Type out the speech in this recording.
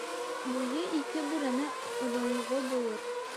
Буйы ике бүрәнә оҙонлоғо булыр.